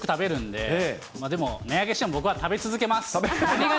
でも、値上げしても僕は食べ続けます。